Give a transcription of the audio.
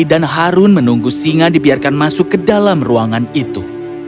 dan harun menunggu singa dibiarkan masuk ke dalam ruangan itu